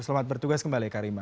selamat bertugas kembali eka rima